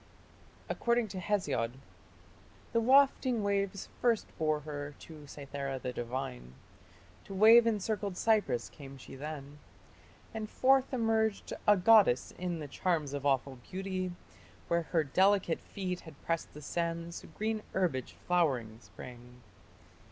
According to Hesiod, The wafting waves First bore her to Cythera the divine: To wave encircled Cyprus came she then, And forth emerged, a goddess, in the charms Of awful beauty. Where her delicate feet Had pressed the sands, green herbage flowering sprang.